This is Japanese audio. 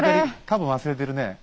多分忘れてるねえ。